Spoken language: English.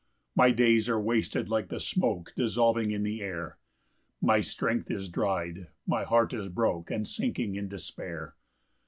2 My days are wasted like the smoke Dissolving in the air; My strength is dry'd, my heart is broke, And sinking in despair.